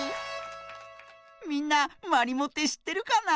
みんなまりもってしってるかな？